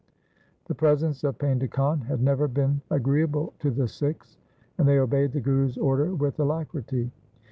The presence of Painda Khan had never been agreeable to the Sikhs, and they obeyed the Guru's order with alacrity.